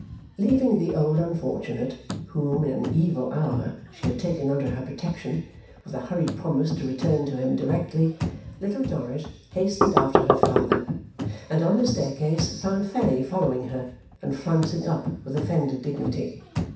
Leaving the old unfortunate, whom in an evil hour she had taken under her protection, with a hurried promise to return to him directly, Little Dorrit hastened after her father, and, on the staircase, found Fanny following her, and flouncing up with offended dignity.